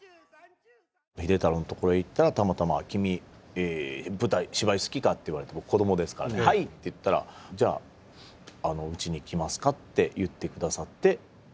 秀太郎のところへ行ったらたまたま「君舞台芝居好きか？」って言われて僕子どもですから「はい！」って言ったら「じゃあうちに来ますか？」って言って下さって。